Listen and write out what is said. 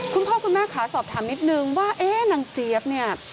คุณพ่อคุณแม่ขาสอบถามนิดนึงว่าเอ๊ะนางเจี๊ยบเนี่ย